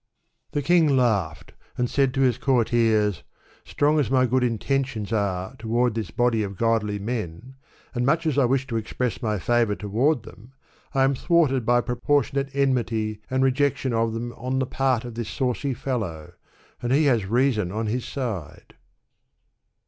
The king laughed and said to his courtiers, " Strong as my good intentions are toward this body of godly men, and much as I wish to express my favor toward them, I am thwarted by a proportionate enmity and rejection of them on the part of this saucy fellow, and he has reason on his side."